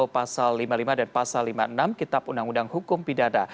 pasal lima puluh lima dan pasal lima puluh enam kitab undang undang hukum pidana